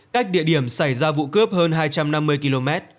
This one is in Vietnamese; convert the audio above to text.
cách địa điểm xảy ra vụ cướp hơn hai trăm năm mươi km